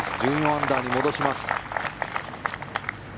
１４アンダーに戻します。